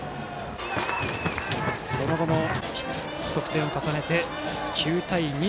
その後も得点を重ねて９対２。